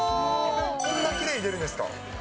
こんなきれいに出るんですか。